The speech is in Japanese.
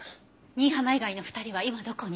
新浜以外の２人は今どこに？